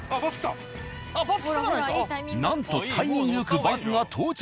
なんとタイミングよくバスが到着。